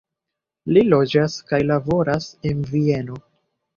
Li loĝas kaj laboras en Vieno.